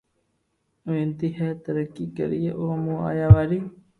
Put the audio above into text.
ودئي ھين ترقي ڪرئي او مون آيا واري